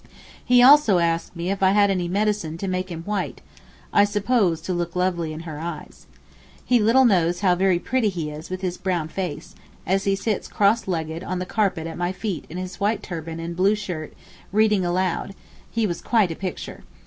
He also asked me if I had any medicine to make him white, I suppose to look lovely in her eyes. He little knows how very pretty he is with his brown face—as he sits cross legged on the carpet at my feet in his white turban and blue shirt reading aloud—he was quite a picture.